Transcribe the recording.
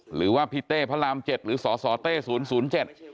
หรือว่าพี่เต้พระราม๗หรือสสเต้๐๐๗